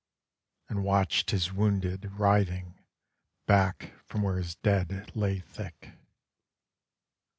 and watched his wounded writhing back from where his dead lay thick.